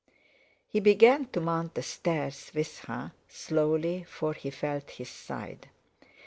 He began to mount the stairs with her, slowly, for he felt his side.